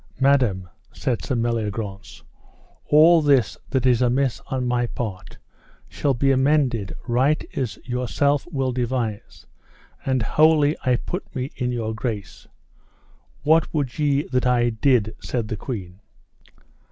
Madam, said Sir Meliagrance, all this that is amiss on my part shall be amended right as yourself will devise, and wholly I put me in your grace. What would ye that I did? said the queen.